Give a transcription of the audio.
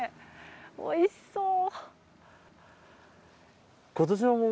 おいしそう！